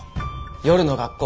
夜の学校